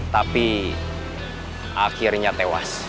tapi akhirnya tewas